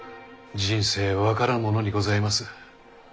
人生分からぬものにございます。